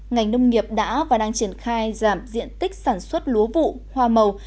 ngành nông nghiệp đã và đang triển khai giảm diện tích sản xuất lúa vụ hoa màu